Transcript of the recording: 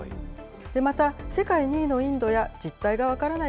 また、世界２位のインドや実態が分からない